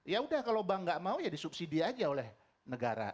ya udah kalau bank gak mau ya disubsidi aja oleh negara